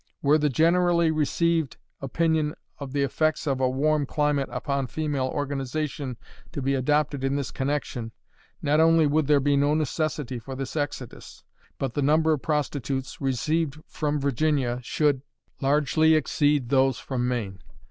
Were the generally received opinion of the effects of a warm climate upon female organization to be adopted in this connection, not only would there be no necessity for this exodus, but the number of prostitutes received from Virginia should largely exceed those from Maine.